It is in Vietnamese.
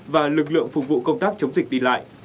và lực lượng phục vụ công tác chống dịch đi lại